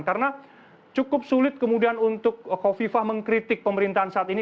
karena cukup sulit kemudian untuk kofifa mengkritik pemerintahan saat ini